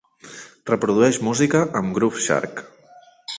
Reprodueix música amb Groove Shark.